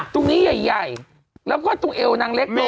ตรงนี้ใหญ่แล้วก็ตรงเอวนางเล็กลง